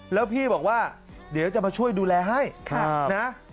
แล้วพี่บอกว่าเดี๋ยวจะมาช่วยดูแลให้นะ